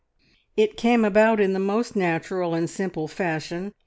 It came about in the most natural, and simple fashion.